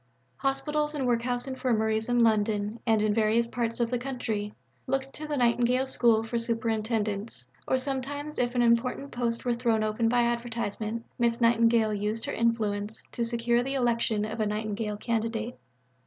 Hospitals and workhouse Infirmaries in London and in various parts of the country looked to the Nightingale School for superintendents; or sometimes if an important post were thrown open by advertisement, Miss Nightingale used her influence to secure the election of a Nightingale candidate.